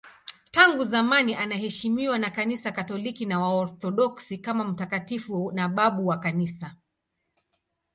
Tangu zamani anaheshimiwa na Kanisa Katoliki na Waorthodoksi kama mtakatifu na babu wa Kanisa.